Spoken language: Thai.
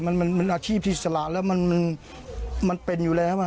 มันอาชีพอิสระแล้วมันเป็นอยู่แล้ว